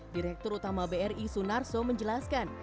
direktur utama bri sunarso menjelaskan